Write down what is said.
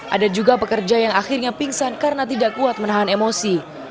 ada juga pekerja yang akhirnya pingsan karena tidak kuat menahan emosi